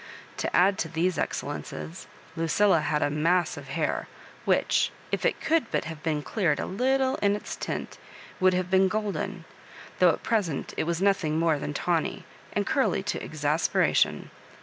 To add to these excellences, Lucilla had a mass of hair which, if it could but have been cleared a little in its tint^ would have been golden, though at present it was nothing more than tawny, and curly to exasperation.